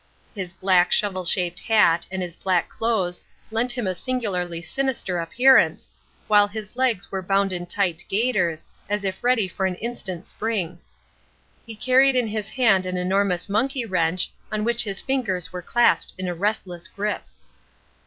His black shovel shaped hat and his black clothes lent him a singularly sinister appearance, while his legs were bound in tight gaiters, as if ready for an instant spring. He carried in his hand an enormous monkey wrench, on which his fingers were clasped in a restless grip.